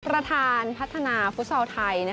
ประธานพัฒนาฟุตซอลไทย